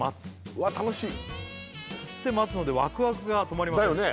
うわっ楽しい「すって待つのでワクワクが止まりません」だよね？